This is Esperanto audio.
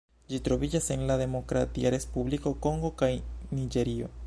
Ĝi troviĝas en la Demokratia Respubliko Kongo kaj Niĝerio.